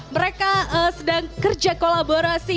mereka sedang kerja kolaborasi